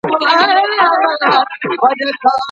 لکه د ورکې معشوقې غاړه چې